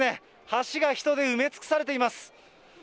橋が人で埋め尽くされています。